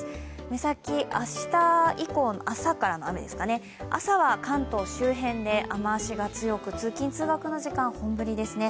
目先、明日からの雨です、朝は関東周辺で雨脚が強く通勤・通学の時間、本降りですね。